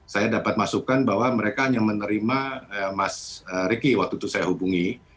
saya dapat masukan bahwa mereka hanya menerima mas ricky waktu itu saya hubungi